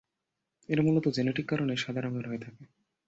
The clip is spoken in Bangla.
এরা মূলত জেনেটিক কারণে সাদা রঙের হয়ে থাকে।